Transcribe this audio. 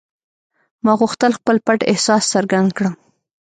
ما غوښتل خپل پټ احساس څرګند کړم